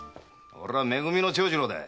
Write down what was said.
俺はめ組の長次郎だ。